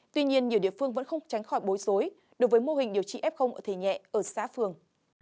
tuy nhiên nhiều địa phương vẫn không tránh khỏi bối rối đối với mô hình điều trị f ở thể nhẹ ở xã phường